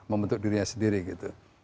membentuk dirinya sendiri gitu